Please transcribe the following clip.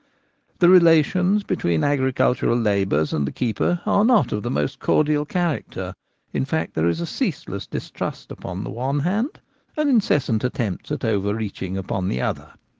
The relations between the agricultural labourers and the keeper are not of the most cordial character ; in fact, there is a ceaseless distrust upon the one hand and incessant attempts at over reaching upon the other.